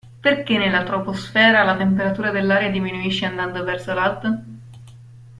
Perché nella troposfera la temperatura dell‘aria diminuisce andando verso l'alto?